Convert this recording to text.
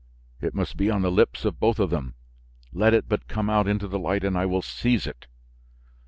It must be on the lips of both of them. Let it but come out into the light and I will seize it."